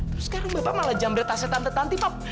terus sekarang bapak malah jamret tasnya tante tanti